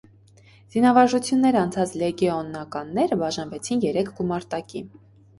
Զինավարժություններ անցած լեգեոնականները բաժանվեցին երեք գումարտակի։